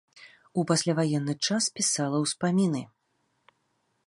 У пасляваенны час пісала ўспаміны.